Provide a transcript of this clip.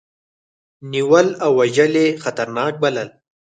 نیول او وژل یې خطرناک بلل.